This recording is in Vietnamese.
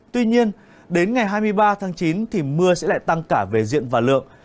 tuy nhiên đến ngày hai mươi ba tháng chín thì mưa sẽ lại tăng cả về diện và lượng